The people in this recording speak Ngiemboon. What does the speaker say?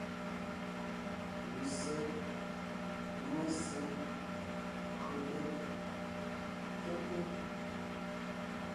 Lussé, néŋe ssé, kÿote, kyɛ́te.